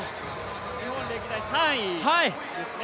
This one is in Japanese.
日本歴代３位ですね。